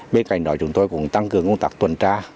bên cạnh đó chúng tôi cũng tăng cường công tác tuần tra